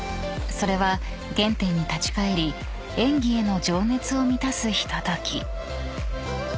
［それは原点に立ち返り演技への情熱を満たすひととき］